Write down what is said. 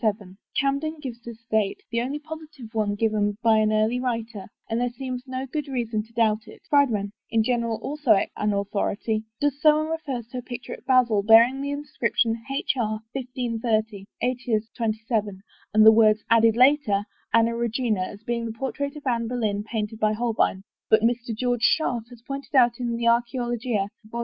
Camden gives this date, the only positive one given by an early writer, and there seems no good reason to doubt it. Friedmann, in general so excellent an authority, does so and refers to a picture at Basel bearing the inscription HR, 1530, xtatis 27, and the words, added later, Anna Regina, as being the portrait of Anne Boleyn painted by Holbein, but Mr. George Scharf has pointed out in the " Archaeologia," vol.